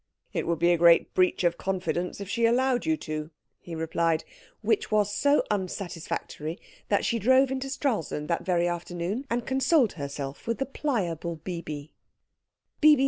"It would be a great breach of confidence if she allowed you to," he replied; which was so unsatisfactory that she drove into Stralsund that very afternoon, and consoled herself with the pliable Bibi.